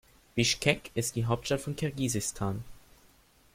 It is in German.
Bischkek ist die Hauptstadt von Kirgisistan.